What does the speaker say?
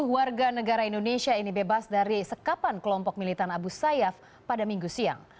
sepuluh warga negara indonesia ini bebas dari sekapan kelompok militan abu sayyaf pada minggu siang